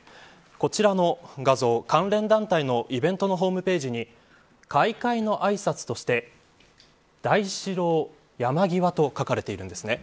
こちらの画像関連団体のイベントのホームページに開会のあいさつとしてＤａｉｓｈｉｒｏＹａｍａｇｉｗａと書かれているんです。